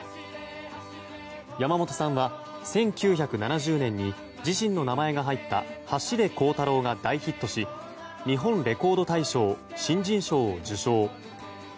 山本さんは１９７０年に自身の名前が入った「走れコウタロー」が大ヒットし日本レコード大賞新人賞を受賞。